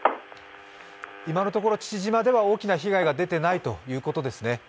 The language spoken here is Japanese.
今のところ父島では大きな被害は出ていないということですね？